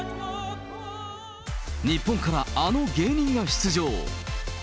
日本からあの芸人が出場。